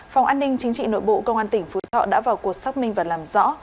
phòng an ninh chính trị nội bộ công an tỉnh phú thọ đã vào cuộc xác minh và làm rõ